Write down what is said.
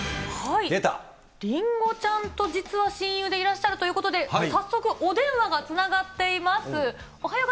りんごちゃんと実は親友でいらっしゃるということで、早速、お電話がつながっています。